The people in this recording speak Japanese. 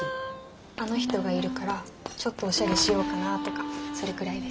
あの人がいるからちょっとおしゃれしようかなとかそれくらいです。